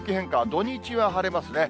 土日は晴れますね。